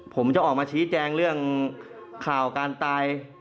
ผมจะออกมาชี้แจงเรื่องข่าวการตาย